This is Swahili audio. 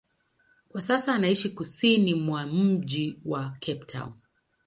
Kwa sasa anaishi kusini mwa mji wa Cape Town.